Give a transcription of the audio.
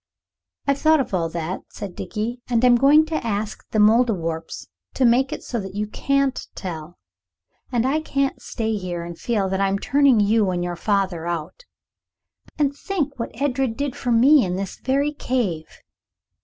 "I've thought of all that," Dickie said, "and I'm going to ask the Mouldiwarps to make it so that you can't tell. I can't stay here and feel that I'm turning you and your father out. And think what Edred did for me, in this very cave.